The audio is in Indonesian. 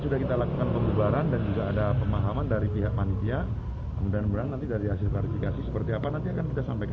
mudah mudahan nanti dari hasil klarifikasi seperti apa nanti akan kita sampaikan kepada rekan rekan